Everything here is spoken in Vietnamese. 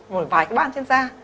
một vài cái ban trên da